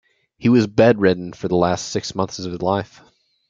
He was bed-ridden for the last six months of his life.